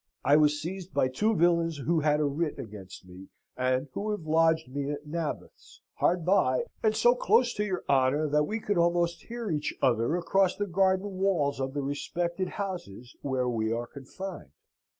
I was seized by two villains who had a writ against me, and who have lodged me at Naboth's, hard by, and so close to your honour, that we could almost hear each other across the garden walls of the respective houses where we are confined.